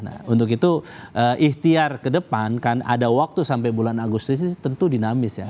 nah untuk itu ikhtiar ke depan kan ada waktu sampai bulan agustus ini tentu dinamis ya